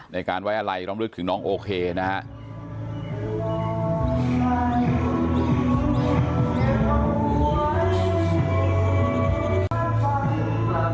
ในการไว้อะไล่ร้องรึดถึงน้องโอเคนะฮะ